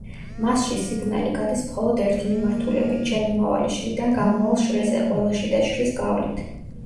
მასში სიგნალი გადის მხოლოდ ერთი მიმართულებით: შემომავალი შრიდან გამავალ შრეზე, ყველა შიდა შრის გავლით.